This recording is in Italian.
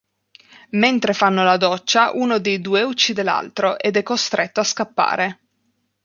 Mentre fanno la doccia uno dei due uccide l'altro ed è costretto a scappare.